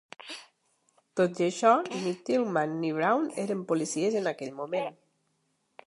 Tot i això, ni Tilghman ni Brown eren policies en aquell moment.